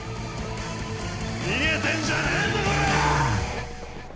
逃げてんじゃねえぞこらぁ！